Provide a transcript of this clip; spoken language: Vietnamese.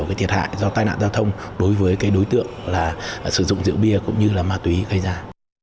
đối với thiệt hại do tai nạn giao thông đối với đối tượng sử dụng dưỡng bia cũng như ma túy gây ra